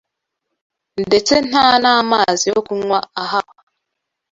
Ndetse nta n’amazi yo kunywa ahaba